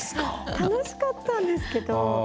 楽しかったんですけど。